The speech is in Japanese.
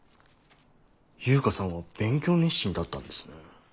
悠香さんは勉強熱心だったんですね。